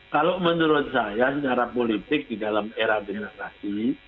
kalau menurut saya secara politik di dalam era demokrasi